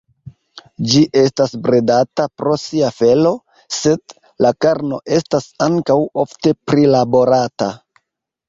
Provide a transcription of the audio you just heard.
Ĝi estas bredata pro sia felo, sed la karno estas ankaŭ ofte prilaborata.